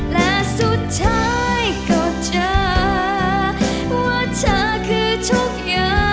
และสุดท้ายก็เจอ